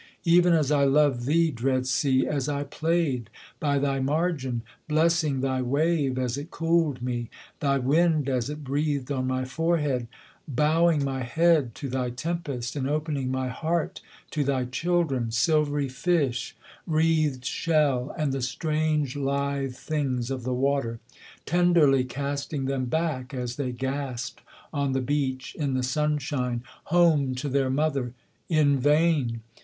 Even as I loved thee, dread sea, as I played by thy margin, Blessing thy wave as it cooled me, thy wind as it breathed on my forehead, Bowing my head to thy tempest, and opening my heart to thy children, Silvery fish, wreathed shell, and the strange lithe things of the water, Tenderly casting them back, as they gasped on the beach in the sunshine, Home to their mother in vain!